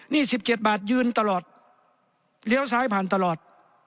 นี่๑๗บาทยืนตลอดเลี้ยวซ้ายผ่านตลอด